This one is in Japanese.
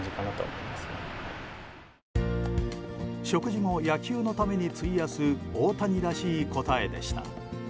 食事も野球のために費やす大谷らしい答えでした。